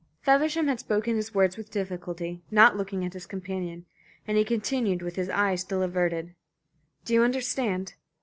Feversham had spoken his words with difficulty, not looking at his companion, and he continued with his eyes still averted: "Do you understand?